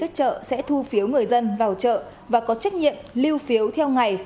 chợ sẽ thu phiếu người dân vào chợ và có trách nhiệm lưu phiếu theo ngày